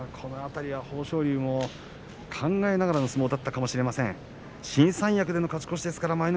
豊昇龍も考えながらの相撲だったかもしれません新三役での勝ち越しです。